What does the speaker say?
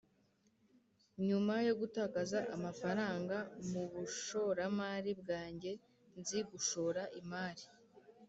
nyuma yo gutakaza amafaranga mubushoramari bwanjye, nzi gushora imari.